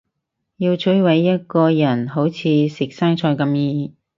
要摧毁一個人好似食生菜咁易